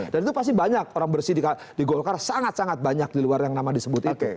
dan itu pasti banyak orang bersih di golkar sangat sangat banyak di luar yang nama disebut itu